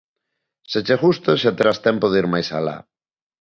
Se che gusta xa terás tempo de ir máis alá.